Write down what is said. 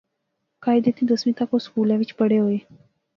قاعدے تھی دسویں تک او سکولے وچ پڑھںے ہوئے